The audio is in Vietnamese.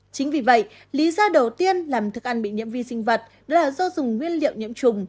chính vì vậy lý do đầu tiên làm thức ăn bị nhiễm vi sinh vật đó là do dùng nguyên liệu nhiễm trùng